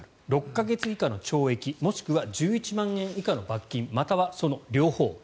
６か月以下の懲役もしくは１１万円以下の罰金またはその両方。